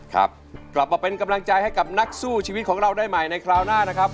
กลับมาเป็นกำลังใจให้กับนักสู้ชีวิตของเราได้ใหม่ในคราวหน้านะครับ